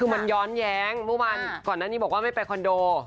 คุณบอร์มันย้อนแย้งเหมือนก่อนที่บอกว่าไม่ไปคอนโด